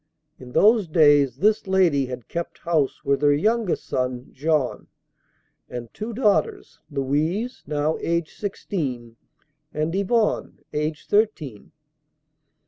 In those days this lady had kept house with her youngest son, Jean, and two daughters, Louise, now aged sixteen, and Yvonne, aged thirteen.